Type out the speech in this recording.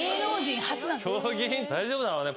大丈夫だろうね。